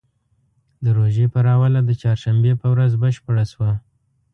د روژې پر اوله د چهارشنبې په ورځ بشپړه شوه.